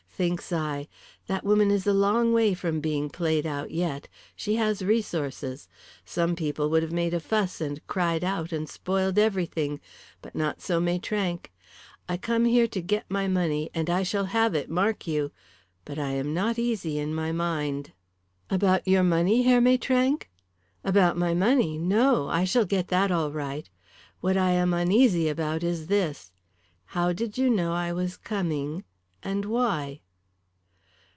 Thinks I, that woman is a long way from being played out yet she has resources. Some people would have made a fuss and cried out and spoilt everything, but not so Maitrank. I come here to get my money and I shall have it, mark you. But I am not easy in my mind." "About your money, Herr Maitrank?" "About my money! No. I shall get that all right. What I am uneasy about is this: How did you know I was coming, and why?"